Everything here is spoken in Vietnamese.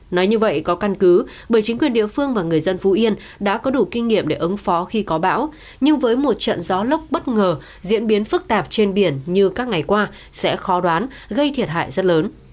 nói như vậy có căn cứ bởi chính quyền địa phương và người dân phú yên đã có đủ kinh nghiệm để ứng phó khi có bão nhưng với một trận gió lốc bất ngờ diễn biến phức tạp trên biển như các ngày qua sẽ khó đoán gây thiệt hại rất lớn